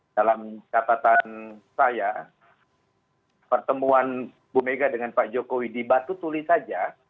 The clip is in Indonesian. dalam catatan saya pertemuan bu mega dengan pak jokowi di batu tuli saja